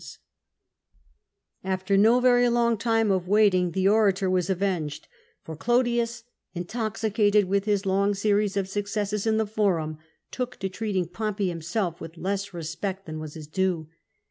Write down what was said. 268 POMPET After no very long time of waiting the orator was avenged, for Clodius, intoxicated with his long series of successes in the Forum, took to treating Pompey himself with less respect than was his due.